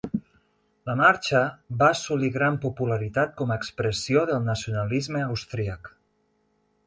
La marxa va assolir gran popularitat com a expressió del nacionalisme austríac.